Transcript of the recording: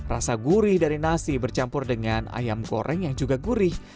rasa gurih dari nasi bercampur dengan ayam goreng yang juga gurih